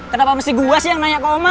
kenapa mesti gue sih yang nanya ke oma